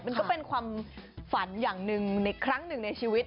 มันก็เป็นความฝันอย่างหนึ่งในครั้งหนึ่งในชีวิต